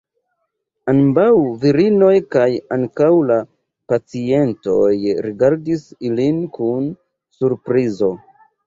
Ambau virinoj kaj ankau la pacientoj rigardis ilin kun surprizo.